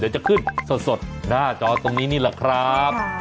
เดี๋ยวจะขึ้นสดหน้าจอดตรงนี้นั่นแหละครับ